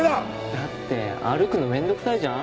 だって歩くの面倒くさいじゃん。